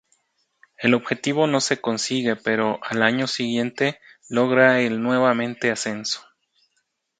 El objetivo no se consigue pero al año siguiente logra el nuevamente ascenso.